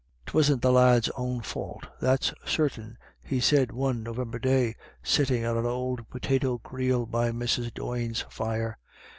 " Tisn't the lad's own fau't, that's sartin," he said one late November day, sitting on an old potato creel by Mrs. Doyne's fire.